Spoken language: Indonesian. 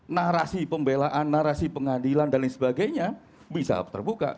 narasi pembelaan narasi pengadilan dan lain sebagainya bisa terbuka